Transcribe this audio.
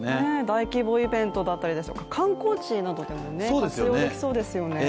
大規模イベントだったり、観光地でも活用できそうですよね。